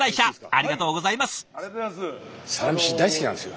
ありがとうございます。